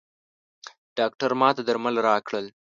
ډاکټر ماته درمل راکړل.